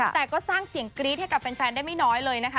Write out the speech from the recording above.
แต่ก็สร้างเสียงกรี๊ดให้กับแฟนได้ไม่น้อยเลยนะคะ